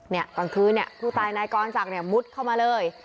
เนี้ยตอนคืนเนี้ยผู้ตายนายกรรศักดิ์เนี้ยมุดเข้ามาเลย